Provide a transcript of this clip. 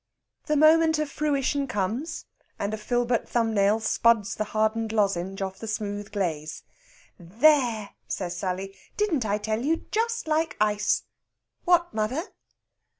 The moment of fruition comes, and a filbert thumbnail spuds the hardened lozenge off the smooth glaze. "There!" says Sally, "didn't I tell you? Just like ice.... What, mother?"